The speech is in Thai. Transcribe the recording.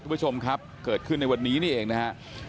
คุณผู้ชมครับเกิดขึ้นในวันนี้นี่เองนะฮะ